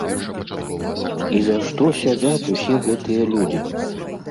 І за што сядзяць усе гэтыя людзі?